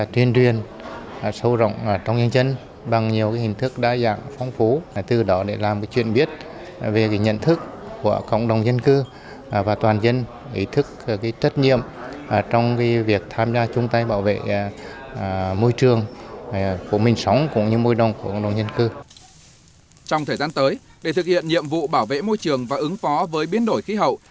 trong thời gian tới để thực hiện nhiệm vụ bảo vệ môi trường và ứng phó với biến đổi khí hậu